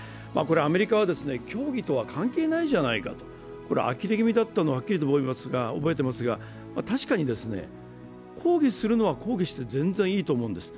アメリカは協議とは関係ないじゃないか、あきれ気味だったのをはっきり覚えていますが、確かに抗議するのは抗議して全然いいと思うんです。